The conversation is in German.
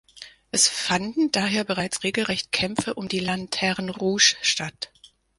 Es fanden daher bereits regelrecht Kämpfe um die "Lanterne Rouge" statt.